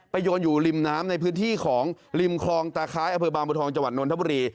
โยนอยู่ริมน้ำในพื้นที่ของริมคลองตาคล้ายอำเภอบางบัวทองจังหวัดนทบุรี